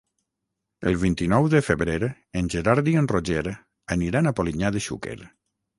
El vint-i-nou de febrer en Gerard i en Roger aniran a Polinyà de Xúquer.